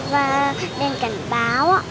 và đèn cảnh báo